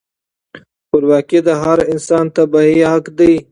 خپلواکي د هر انسان طبیعي حق دی.